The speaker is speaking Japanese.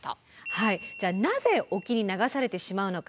はいじゃあなぜ沖に流されてしまうのか？